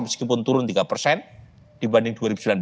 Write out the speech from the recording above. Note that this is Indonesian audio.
meskipun turun tiga persen dibanding dua ribu sembilan belas